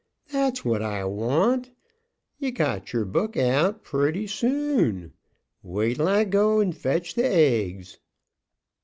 "Thet's what I want. Ye got yer book aout purty soon. Wait till I go and fetch th' eggs."